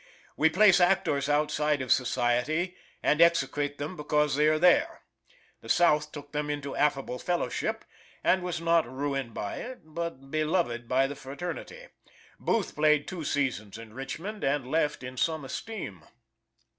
We place actors outside of society, and execrate them because they are there. The South took them into affable fellowship, and was not ruined by it, but beloved by the fraternity. Booth played two seasons in Richmond, and left in some esteem.